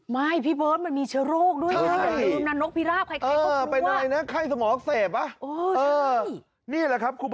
พี่เบิร์ตมันมีเชื้อโรคด้วยนะ